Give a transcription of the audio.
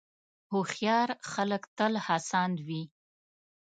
هوښیار خلک تل هڅاند وي.